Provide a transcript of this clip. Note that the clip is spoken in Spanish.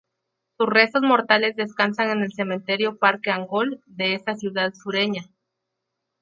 Sus restos mortales descansan en el Cementerio Parque Angol, de esa ciudad sureña.